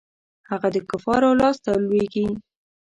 هغه د کفارو لاسته لویږي.